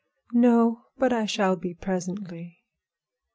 "No; but I shall be presently."